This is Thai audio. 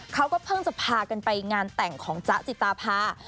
เขาก็เพิ่งจะพากันไปงานแต่งของจ๊ะจิตาพา